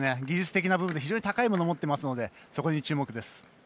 技術的な部分で非常に高いもの持ってますのでそこに注目です